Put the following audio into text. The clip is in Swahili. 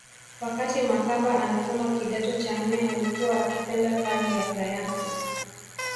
Wakati Makamba anasoma kidato cha nne alikuwa akipenda fani ya sayansi